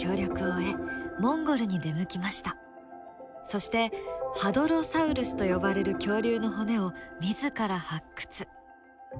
そしてハドロサウルスと呼ばれる恐竜の骨を自ら発掘。